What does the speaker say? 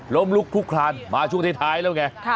ลุกทุกคลานมาช่วงท้ายแล้วไง